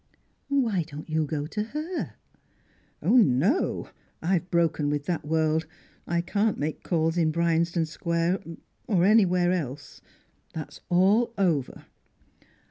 "Why don't you go to her?" "No! I've broken with that world. I can't make calls in Bryanston Square or anywhere else. That's all over."